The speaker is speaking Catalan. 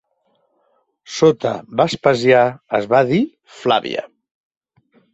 Sota Vespasià es va dir Flàvia.